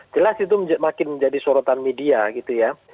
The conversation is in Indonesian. jelas itu makin menjadi sorotan media gitu ya